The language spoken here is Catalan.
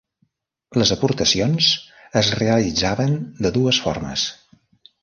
Les aportacions es realitzaven de dues formes.